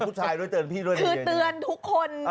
กลัวด้วยทุกคน